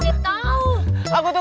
aduh capek banget bangdang